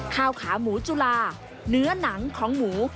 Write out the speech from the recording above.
ข้าวขาหมูจุลาเนื้อหนังของหมู